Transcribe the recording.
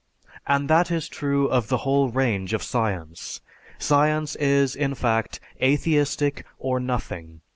"And that is true of the whole range of science. Science is, in fact, atheistic or nothing.